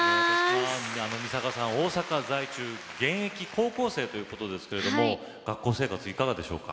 大阪在住現役高校生ということですけれども、学校生活いかがでしょうか。